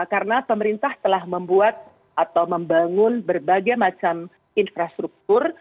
karena pemerintah telah membuat atau membangun berbagai macam infrastruktur